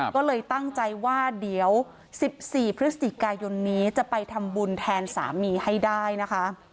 ก็เลยตั้งใจว่าเดี๋ยว๑๔พฤศจิกายนนี้จะไปทำบุญแทนสามีให้ได้นะคะ